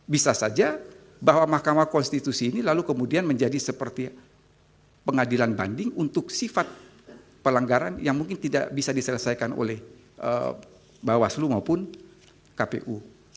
bisa saja bahwa mahkamah konstitusi ini lalu kemudian menjadi seperti pengadilan banding untuk sifat pelanggaran yang mungkin tidak bisa diselesaikan oleh bawaslu maupun kpu